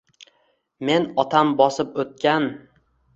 Men otam bosib o’tgan